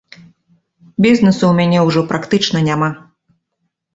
Бізнесу ў мяне ўжо практычна няма.